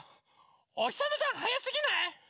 おひさまさんはやすぎない？